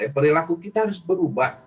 perilaku kita harus berubah